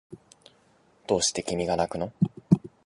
どうして君がなくの